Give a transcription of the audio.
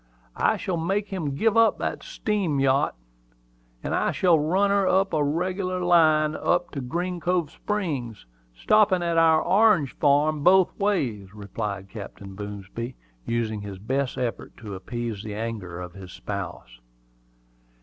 "I shall make him give up that steam yachet; and I shall run her as a reg'lar line up to Green Cove Springs, stoppin' at our orange farm both ways," replied Captain Boomsby, using his best efforts to appease the anger of his spouse.